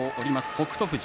北勝富士